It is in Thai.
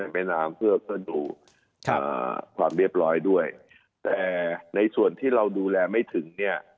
แม่น้ำเพื่อก็ดูอ่าความเรียบร้อยด้วยแต่ในส่วนที่เราดูแลไม่ถึงเนี่ย